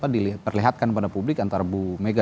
diperlihatkan pada publik antara bu mega